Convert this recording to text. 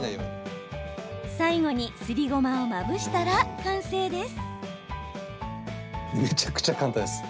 最後に、すりごまをまぶしたら完成です。